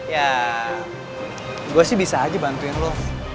ya gue sih bisa aja bantuin lo